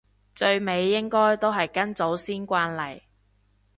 最尾應該都係跟祖先慣例